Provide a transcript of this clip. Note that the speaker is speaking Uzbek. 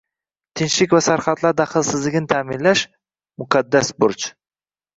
Tinchlik va sarhadlar daxlsizligini ta’minlash – muqaddas burch